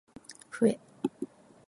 ふぇ